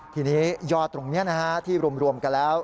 ทีนี้ยอดตรงนี้ที่รวมกันแล้ว